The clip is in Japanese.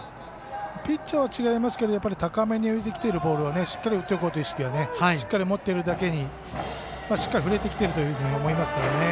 ピッチャーは違いますけど高めに浮いてきているボールはしっかり打っていこうという意識を持っているだけにしっかり振れてきているというふうに思いますね。